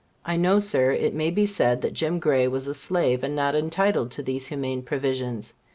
I know, Sir, it may be said that Jim Gray was a slave, and not entitled to these humane provisions.